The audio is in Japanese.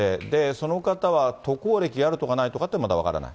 その方は、渡航歴があるとかないとかっていうのはまだ分からない？